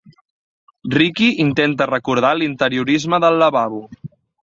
Riqui intenta recordar l'interiorisme del lavabo.